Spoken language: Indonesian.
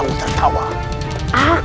sangat beruntung mahesha